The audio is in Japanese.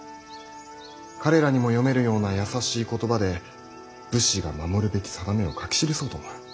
彼らにも読めるような易しい言葉で武士が守るべき定めを書き記そうと思う。